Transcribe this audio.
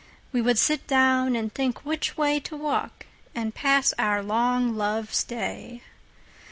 We would sit down, and think which wayTo walk, and pass our long Loves Day.